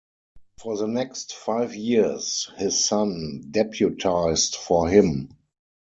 For the next five years his son deputised for him.